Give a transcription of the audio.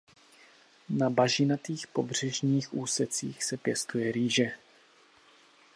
Na bažinatých pobřežních úsecích se pěstuje rýže.